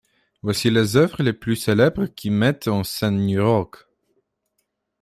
Voici les œuvres les plus célèbres qui mettent en scène New York.